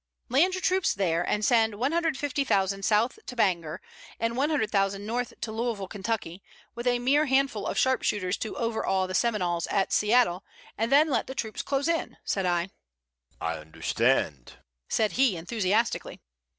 "Land your troops there, and send 150,000 south to Bangor, and 100,000 north to Louisville, Kentucky, with a mere handful of sharp shooters to overawe the Seminoles at Seattle, and then let these troops close in" said I. "I understand," said he, enthusiastically.